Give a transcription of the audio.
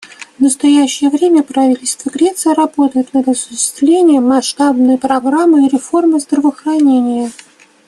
В настоящее время правительство Греции работает над осуществлением масштабной программы реформы здравоохранения.